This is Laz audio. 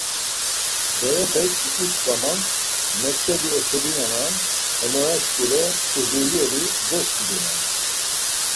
Berepek iǩitxoman, mektebi oçodinaman hemora şkule udulyeli doskinunan.